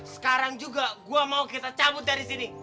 sekarang juga gue mau kita cabut dari sini